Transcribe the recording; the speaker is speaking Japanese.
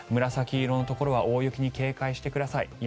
紫色のところは大雪に警戒してください。